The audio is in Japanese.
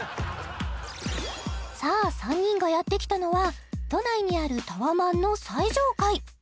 さあ３人がやってきたのは都内にあるタワマンの最上階